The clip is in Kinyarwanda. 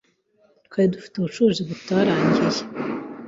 Twari dufite ubucuruzi butarangiye.